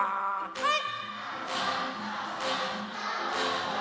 はい！